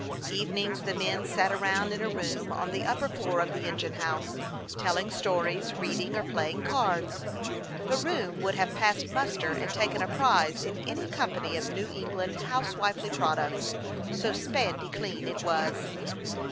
Evenings the men sat around in a room on the upper floor of the engine house, telling stories, reading, or playing cards. The room would have passed muster and taken a prize in any company of New England housewifely products, so spandy clean it was.